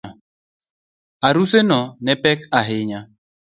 Aruseno ne pek ahinya